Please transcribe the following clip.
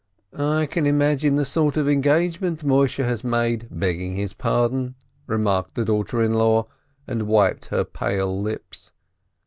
"I can imagine the sort of engagement Moisheh has made, begging his pardon," remarked the daughter in law, and wiped her pale lips.